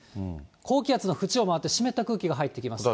高気圧の縁を回って、湿った空気が入ってきます。